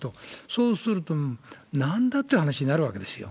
そうすると、なんだっていう話になるわけですよ。